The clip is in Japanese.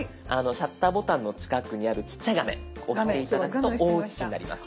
シャッターボタンの近くにあるちっちゃい画面押して頂くと大写しになります。